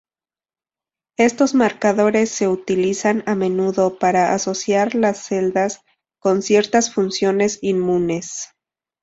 Estos marcadores se utilizan a menudo para asociar las celdas con ciertas funciones inmunes.